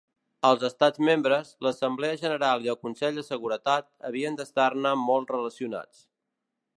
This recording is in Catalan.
Els Estats membres, l'Assemblea General i el Consell de Seguretat havien d'estar-ne molt relacionats.